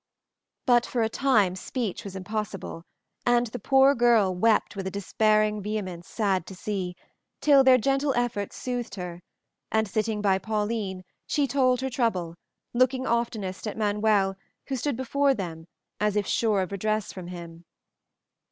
But for a time speech was impossible, and the poor girl wept with a despairing vehemence sad to see, till their gentle efforts soothed her; and, sitting by Pauline, she told her trouble, looking oftenest at Manuel, who stood before them, as if sure of redress from him.